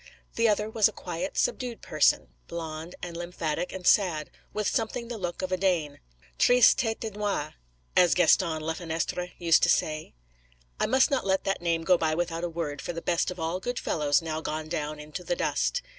The other was a quiet, subdued person, blond and lymphatic and sad, with something the look of a Dane: 'Tristes têtes de Danois!' as Gaston Lafenestre used to say. I must not let that name go by without a word for the best of all good fellows now gone down into the dust.